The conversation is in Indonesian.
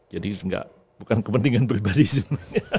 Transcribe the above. jadi bukan kepentingan pribadi sebenarnya